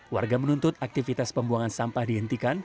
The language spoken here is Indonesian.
warga menuntut aktivitas pembuangan sampah dihentikan